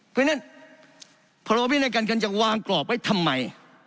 เพราะฉะนั้นพรวินัยการเงินจะวางกรอบไว้ทำไม